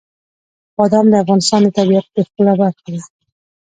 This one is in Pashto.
بادام د افغانستان د طبیعت د ښکلا برخه ده.